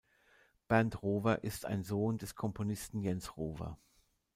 Bernd Rohwer ist ein Sohn des Komponisten Jens Rohwer.